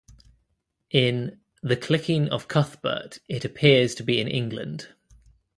In "The Clicking of Cuthbert", it appears to be in England.